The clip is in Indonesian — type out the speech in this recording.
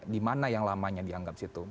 di mana yang lamanya dianggap situ